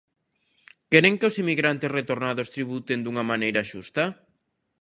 ¿Queren que os emigrantes retornados tributen dunha maneira xusta?